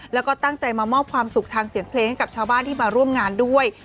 แล้วก็ตั้งใจมามอบความสุขทางเสียงเพลงให้กับชาวบ้านที่มาร่วมงานด้วย